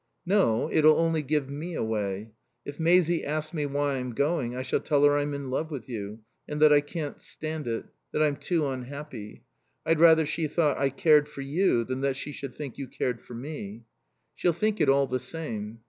"No. It'll only give me away. If Maisie asks me why I'm going I shall tell her I'm in love with you, and that I can't stand it; that I'm too unhappy. I'd rather she thought I cared for you than that she should think you cared for me." "She'll think it all the same."